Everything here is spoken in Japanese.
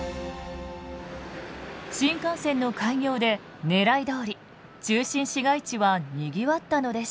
新幹線の開業でねらいどおり中心市街地はにぎわったのでしょうか？